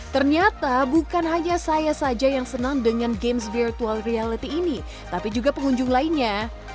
ternyata bukan hanya saya saja yang senang dengan games virtual reality ini tapi juga pengunjung lainnya